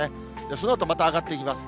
そのあとまた上がっていきます。